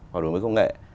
học đổi mới công nghệ